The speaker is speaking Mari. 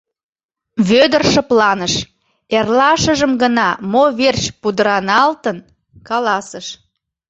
Вӧдыр шыпланыш, эрлашыжым гына, мо верч пудыраналтын, каласыш.